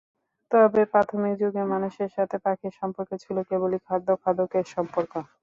তবে প্রাথমিক যুগে মানুষের সাথে পাখির সম্পর্ক ছিল কেবলই খাদ্য-খাদকের সম্পর্ক।